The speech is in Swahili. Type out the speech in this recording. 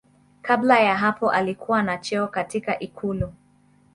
Kabla ya hapo alikuwa na cheo katika ikulu.